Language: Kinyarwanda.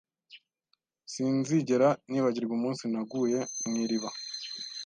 Sinzigera nibagirwa umunsi naguye mu iriba.